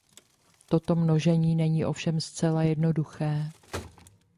Toto množení není ovšem zcela jednoduché.